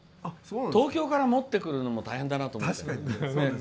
東京から持ってくるのも大変だなと思って。